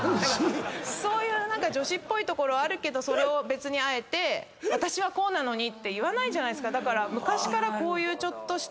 そういう女子っぽいところあるけどそれをあえて私はこうなのにって言わないじゃないですか。